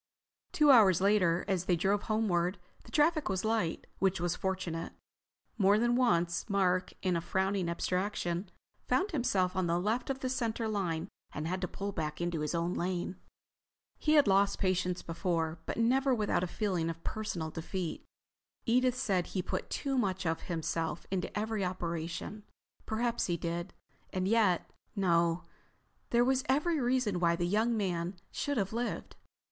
Two hours later, as they drove homeward, the traffic was light, which was fortunate. More than once Mark, in a frowning abstraction, found himself on the left of the center line and had to pull back into his own lane. He had lost patients before, but never without a feeling of personal defeat. Edith said he put too much of himself into every operation. Perhaps he did. And yet—No, there was every reason why the young man should have lived.